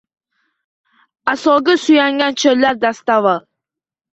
Asoga suyangan chollar dastavval